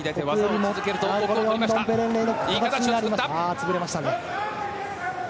潰れましたね。